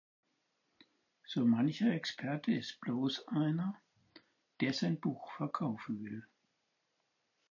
So mancher Experte ist bloß einer, der sein Buch verkaufen will.